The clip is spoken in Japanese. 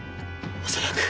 恐らく。